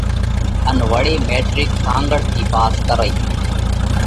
ان وۯي ميٽرڪ سانگھڙ ٿِي پاس ڪرئِي۔